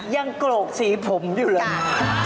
โกรกสีผมอยู่เลย